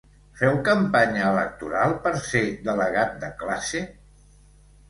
Feu campanya electoral per ser delegat de classe?